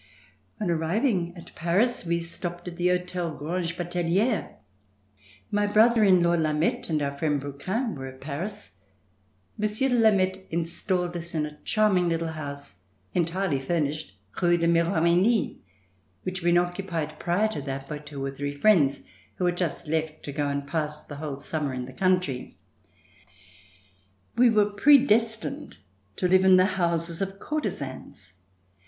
On arriving at Paris we stopped at the Hotel Grange Bateliere. My brother in law Lameth and our friend Brouquens were at Paris. Monsieur de Lameth installed us in a charming little house entirely furnished, Rue de Miromesnil, which had been occu pied prior to that by two or three friends who had just left to go and pass the whole summer in the country. We were predestined to live in the houses of courtesans.